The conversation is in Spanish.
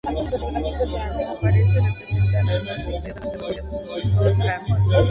Como aparece representada a morte en cada un dos lances?